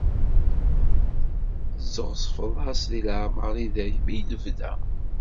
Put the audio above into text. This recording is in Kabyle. Tesɣezfeḍ-as di leɛmer i dayem, i lebda.